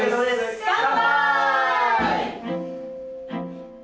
乾杯！